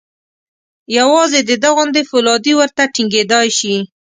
یوازې د ده غوندې فولادي ورته ټینګېدای شي.